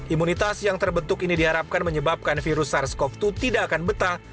imunitas yang terbentuk ini diharapkan menyebabkan virus sars cov dua tidak akan betah